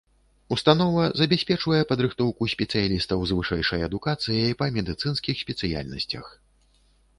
Установа забяспечвае падрыхтоўку спецыялістаў з вышэйшай адукацыяй па медыцынскіх спецыяльнасцях.